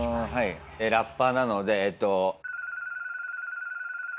ラッパーなのでえっと。